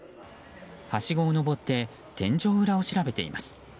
はしごを上って天井裏を調べています。